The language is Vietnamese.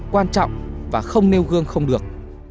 quan trọng và không nêu gương không được